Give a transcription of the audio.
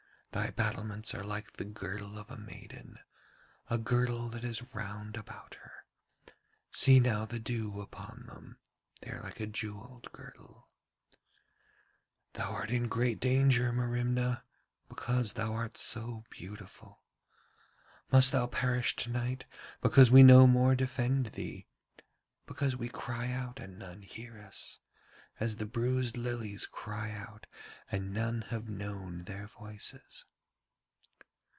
Thy battlements are like the girdle of a maiden, a girdle that is round about her. See now the dew upon them, they are like a jewelled girdle. 'Thou art in great danger, Merimna, because thou art so beautiful. Must thou perish tonight because we no more defend thee, because we cry out and none hear us, as the bruised lilies cry out and none have known their voices?'